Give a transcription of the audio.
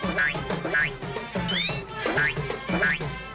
วีฮ่า